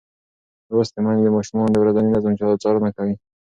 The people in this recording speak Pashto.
لوستې میندې د ماشومانو د ورځني نظم څارنه کوي.